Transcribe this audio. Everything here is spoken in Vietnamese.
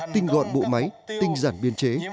tinh gọn bộ máy tinh giản biên chế